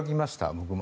僕も。